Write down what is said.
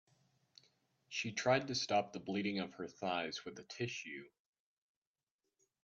She tried to stop the bleeding of her thighs with a tissue.